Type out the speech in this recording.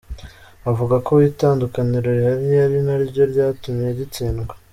Avuga ko itandukaniro rihari ari naryo ryatumye gitsindwa.